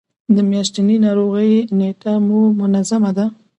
د میاشتنۍ ناروغۍ نیټه مو منظمه ده؟